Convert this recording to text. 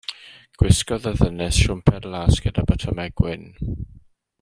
Gwisgodd y ddynes siwmper las gyda botymau gwyn.